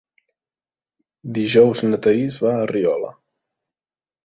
Dijous na Thaís va a Riola.